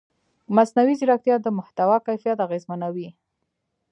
مصنوعي ځیرکتیا د محتوا کیفیت اغېزمنوي.